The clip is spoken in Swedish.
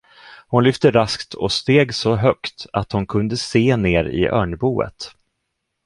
Hon lyfte raskt och steg så högt, att hon kunde se ner i örnboet.